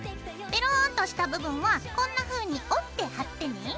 ベローンとした部分はこんなふうに折って貼ってね。